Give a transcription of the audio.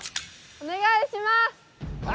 お願いします！